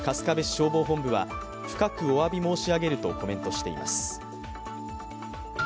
消防本部は、深くおわび申し上げるとコメントしています。